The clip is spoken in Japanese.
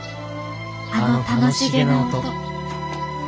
あの楽しげな音。